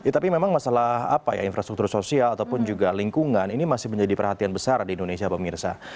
tapi memang masalah infrastruktur sosial ataupun juga lingkungan ini masih menjadi perhatian besar di indonesia pak mirsa